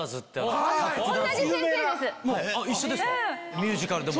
ミュージカルでも。